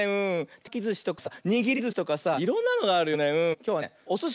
てまきずしとかさにぎりずしとかさいろんなのがあるよね。